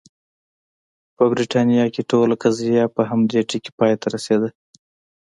په برېټانیا کې ټوله قضیه په همدې ټکي پای ته رسېده.